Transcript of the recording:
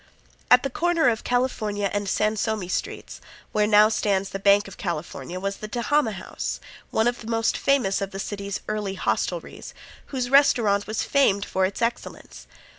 At the corner of California and Sansome streets, where now stands the Bank of California, was the Tehama House, one of the most famous of the city's early hostelries, whose restaurant was famed for its excellence.